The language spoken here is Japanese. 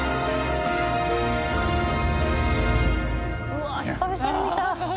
うわっ久々に見た。